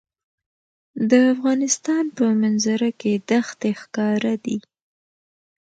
د افغانستان په منظره کې دښتې ښکاره دي.